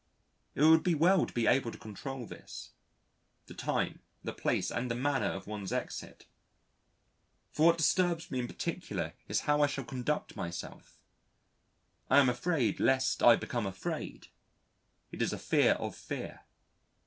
It would be well to be able to control this: the time, the place, and the manner of one's exit. For what disturbs me in particular is how I shall conduct myself; I am afraid lest I become afraid, it is a fear of fear.